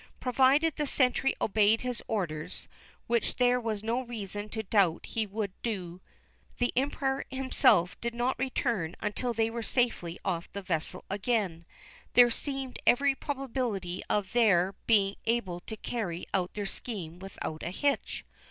Provided the sentry obeyed his orders, which there was no reason to doubt he would do, and the Emperor himself did not return until they were safely off the vessel again, there seemed every probability of their being able to carry out their scheme without a hitch.